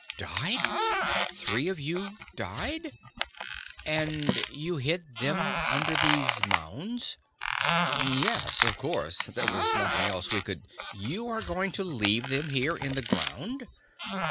"Died! Three of you died? And you hid them under these mounds?" "Yes. Of course. There was nothing else we could " "You are going to leave them here in the ground!"